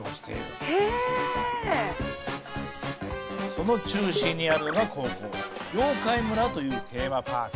その中心にあるのがここ「妖怪村」というテーマパーク。